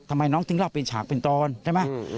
ทำไมน้องจึงรอบเพียงฉากเป็นตอนใช่ไหม